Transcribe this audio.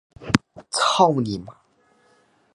不等壳毛蚶是魁蛤目魁蛤科毛蚶属的一种。